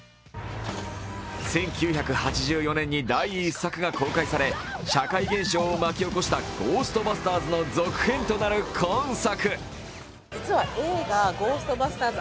１９８４年に第１作が公開され、社会現象を巻き起こした「ゴーストバスターズ」の続編となる今作。